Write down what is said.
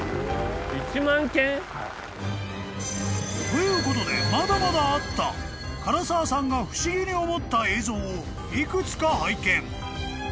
［ということでまだまだあった柄澤さんが不思議に思った映像を幾つか拝見］